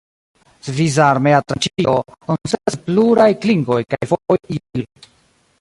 Svisa Armea Tranĉilo konsistas el pluraj klingoj kaj foje iloj.